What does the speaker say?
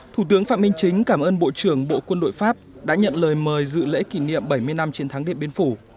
thủ tướng phạm minh chính cảm ơn bộ trưởng bộ quân đội pháp đã nhận lời mời dự lễ kỷ niệm bảy mươi năm chiến thắng điện biên phủ